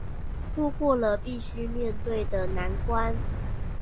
渡過了必須面對的難關